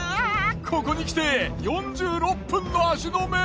ここにきて４６分の足止め。